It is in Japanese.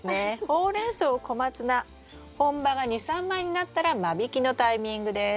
ホウレンソウコマツナ本葉が２３枚になったら間引きのタイミングです。